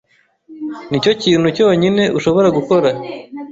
Nicyo kintu cyonyine ushobora gukora.